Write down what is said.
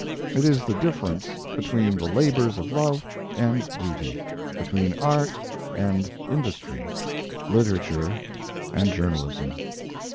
It is the difference between the labors of love and duty; between art and industry, literature and journalism.